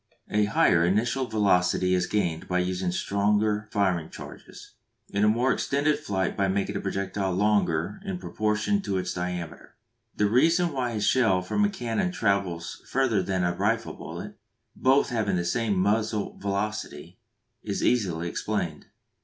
A higher initial velocity is gained by using stronger firing charges, and a more extended flight by making the projectile longer in proportion to its diameter. The reason why a shell from a cannon travels further than a rifle bullet, both having the same muzzle velocity, is easily explained.